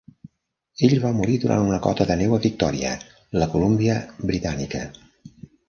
Ell va morir durant una cota de neu a Victòria, la Columbia Britànica .